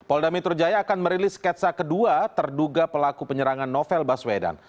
polda metro jaya akan merilis sketsa kedua terduga pelaku penyerangan novel baswedan